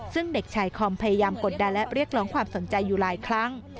ซึ่งเด็กชายคอมพยายามกดดันและเรียกร้องความสนใจอยู่หลายครั้ง